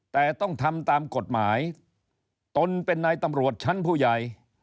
แต่ต้องทำตามกฎหมายตนเป็นนายตำรวจชั้นผู้ใหญ่